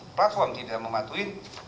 platform tidak mematuhi